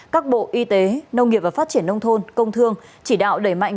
các bộ y tế nông nghiệp và phát triển nông thôn công thương chỉ đạo đẩy mạnh